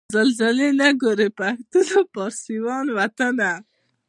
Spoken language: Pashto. زلزلې نه ګوري پښتون او فارسي وان وطنه